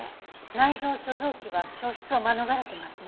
内臓諸臓器は焼失を免れてますね。